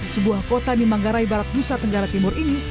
sebuah kota di manggarai barat nusa tenggara timur ini